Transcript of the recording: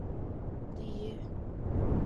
又任香港邮船公司总经理。